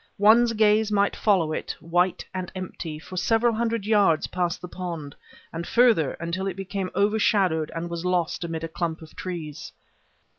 One's gaze might follow it, white and empty, for several hundred yards past the pond, and further, until it became overshadowed and was lost amid a clump of trees.